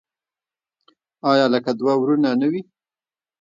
آیا لکه دوه ورونه نه وي؟